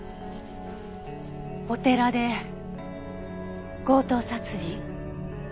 お寺で強盗殺人。